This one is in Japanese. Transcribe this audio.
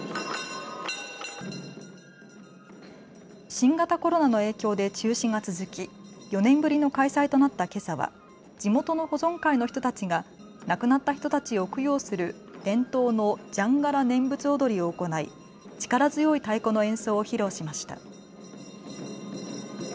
新型コロナの影響で中止が続き４年ぶりの開催となったけさは地元の保存会の人たちが亡くなった人たちを供養する伝統のじゃんがら念仏踊りを行い力強い太鼓の演奏を披露しました。